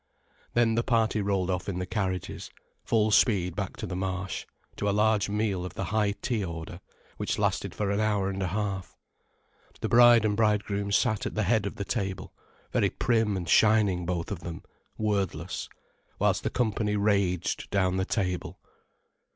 Then the party rolled off in the carriages, full speed back to the Marsh, to a large meal of the high tea order, which lasted for an hour and a half. The bride and bridegroom sat at the head of the table, very prim and shining both of them, wordless, whilst the company raged down the table.